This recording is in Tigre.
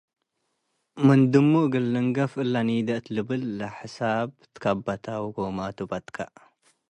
ምን ድሙ' እግል ንንገፍ እለ ኒዴ” እት ልብል ለሐሳብ ትከበ'ተ፣ ወጎማቱ በትከ።